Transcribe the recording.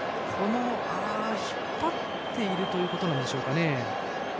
引っ張っているということでしょうか。